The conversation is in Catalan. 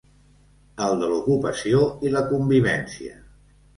El de l’ocupació, i la convivència.